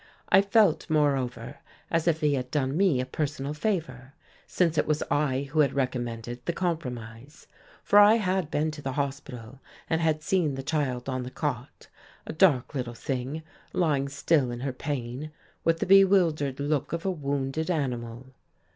I felt, moreover, as if he had done me a personal favour, since it was I who had recommended the compromise. For I had been to the hospital and had seen the child on the cot, a dark little thing, lying still in her pain, with the bewildered look of a wounded animal....